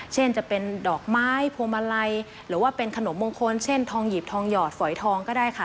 เช่นจะเป็นดอกไม้พวงมาลัยหรือว่าเป็นขนมมงคลเช่นทองหยิบทองหยอดฝอยทองก็ได้ค่ะ